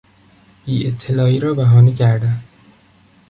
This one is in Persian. بی اطلاعی را بهانه کردن